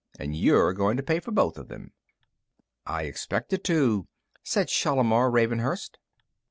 And you're going to pay for both of them." "I expected to," said Shalimar Ravenhurst.